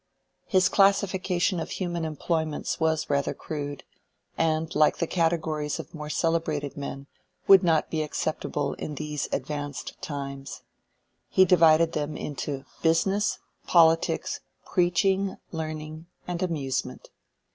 His classification of human employments was rather crude, and, like the categories of more celebrated men, would not be acceptable in these advanced times. He divided them into "business, politics, preaching, learning, and amusement."